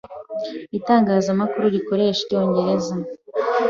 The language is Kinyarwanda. ’itangazamakuru rikoresha Icyongereza